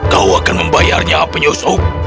kau akan membayarnya penyusup